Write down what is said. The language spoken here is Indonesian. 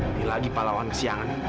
nanti lagi pak lawan kesiangan